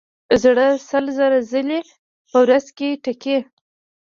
زړه سل زره ځلې په ورځ ټکي.